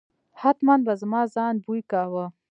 حتمآ به زما ځان بوی کاوه.